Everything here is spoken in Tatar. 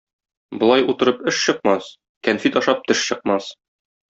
Болай утырып эш чыкмас, кәнфит ашап теш чыкмас.